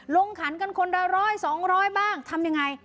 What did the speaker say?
ขันกันคนละร้อยสองร้อยบ้างทำยังไง